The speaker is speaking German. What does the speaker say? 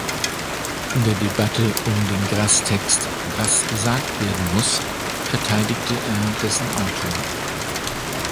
In der Debatte um den Grass-Text "Was gesagt werden muss" verteidigte er dessen Autor.